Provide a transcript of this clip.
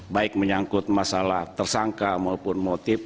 baik menyangkut masalah tersangka maupun motif